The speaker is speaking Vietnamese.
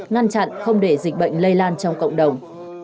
ngăn chặn không để dịch bệnh lây lan trong cộng đồng